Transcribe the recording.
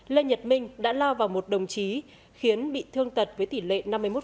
lê nhật minh đã lao vào một đồng chí khiến bị thương tật với tỷ lệ năm mươi một